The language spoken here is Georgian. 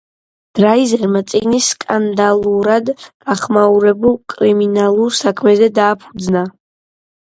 დრაიზერმა წიგნი სკანდალურად გახმაურებულ კრიმინალურ საქმეზე დააფუძნა.